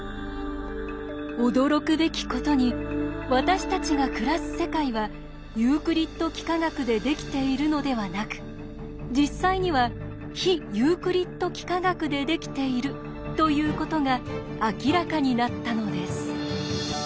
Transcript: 驚くべきことに私たちが暮らす世界はユークリッド幾何学でできているのではなく実際には非ユークリッド幾何学でできているということが明らかになったのです。